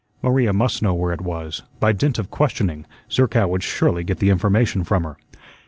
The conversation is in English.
Maria must know where it was; by dint of questioning, Zerkow would surely get the information from her.